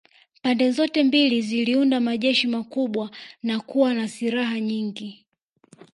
Pande zote mbili ziliunda majeshi makubwa na kuwa na silaha nyingi